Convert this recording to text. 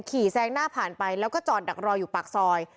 แซงหน้าผ่านไปแล้วก็จอดดักรออยู่ปากซอย